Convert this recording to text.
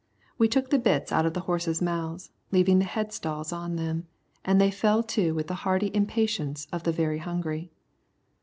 We took the bits out of the horses' mouths, leaving the headstalls on them, and they fell to with the hearty impatience of the very hungry.